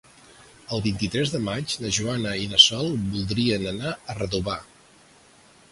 El vint-i-tres de maig na Joana i na Sol voldrien anar a Redovà.